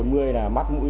là mắt mũi